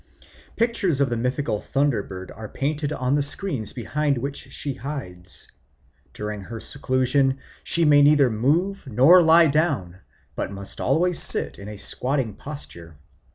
Pictures of the mythical thunder bird are painted on the screens behind which she hides. During her seclusion she may neither move nor lie down, but must always sit in a squatting posture.